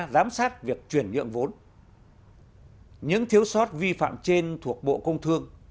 giám sát việc chuyển nhượng vốn những thiếu sót vi phạm trên thuộc bộ công thương